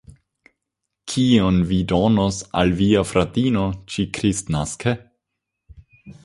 Kion vi donos al via fratino ĉi-kristnaske?